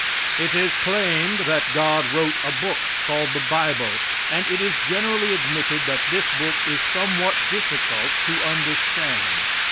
It is claimed that God wrote a book called the bible, and it is generally admitted that this book is somewhat difficult to understand.